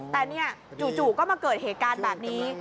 แต่เนี่ยจู่ก็มาเกิดเหตุการณ์แบบนี้